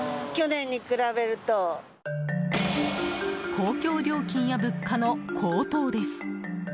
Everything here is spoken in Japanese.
公共料金や物価の高騰です。